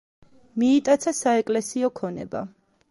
მიიტაცა საეკლესიო ქონება.